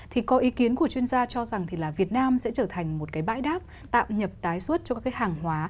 thì có ý kiến của chuyên gia cho rằng thì là việt nam sẽ trở thành một cái bãi đáp tạm nhập tái xuất cho các cái hàng hóa